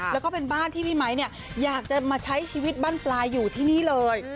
แล้วก็เป็นบ้านที่พี่ไมค์เนี่ยอยากจะมาใช้ชีวิตบ้านปลายอยู่ที่นี่เลย